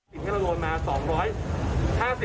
หลังจันทร์ส